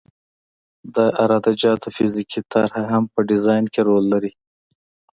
د عراده جاتو فزیکي طرح هم په ډیزاین کې رول لري